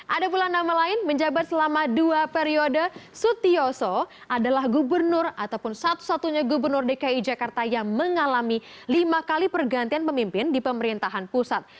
ada pula nama lain menjabat selama dua periode sutioso adalah gubernur ataupun satu satunya gubernur dki jakarta yang mengalami lima kali pergantian pemimpin di pemerintahan pusat